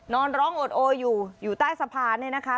นอนร้องโอดโออยู่อยู่ใต้สะพานเนี่ยนะคะ